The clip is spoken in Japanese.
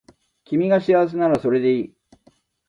君が幸せならそれでいい